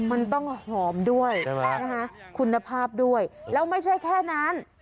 มันต้องหอมด้วยนะคะคุณภาพด้วยแล้วไม่ใช่แค่นั้น